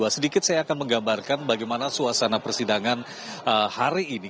sedikit saya akan menggambarkan bagaimana suasana persidangan hari ini